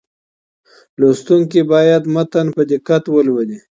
لوستونکي باید متن په دقت ولولي.